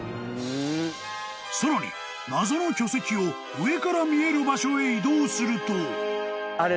［さらに謎の巨石を上から見える場所へ移動すると］